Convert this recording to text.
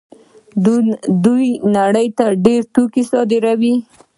دوی نړۍ ته ډېر توکي صادروي.